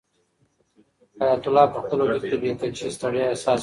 حیات الله په خپل وجود کې د بې کچې ستړیا احساس وکړ.